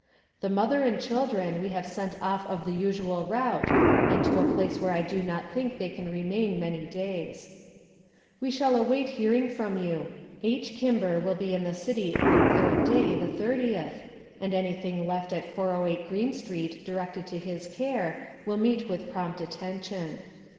The mother and children we have sent off of the usual route, and to a place where I do not think they can remain many days. We shall await hearing from you. H. Kimber will be in the city on third day, the 30th, and any thing left at 408 Green Street directed to his care, will meet with prompt attention.